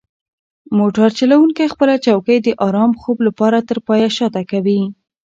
موټر چلونکی خپله چوکۍ د ارام خوب لپاره تر پایه شاته کوي.